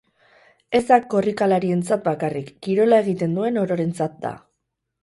Ez da korrikalarientzat bakarrik, kirola egiten duen ororentzat da.